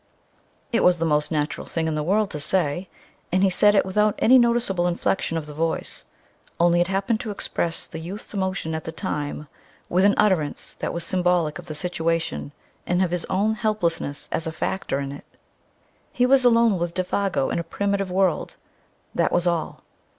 It was the most natural thing in the world to say, and he said it without any noticeable inflexion of the voice, only it happened to express the youth's emotions at the moment with an utterance that was symbolic of the situation and of his own helplessness as a factor in it. He was alone with Défago in a primitive world: that was all.